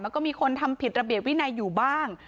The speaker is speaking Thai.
ก็มีคนทำผิดระเบียบวินัยอยู่บ้าง